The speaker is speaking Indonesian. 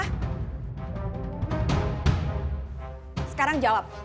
nah sekarang jawab